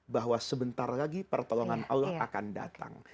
bahwa sebentar lagi pertolongan allah akan datang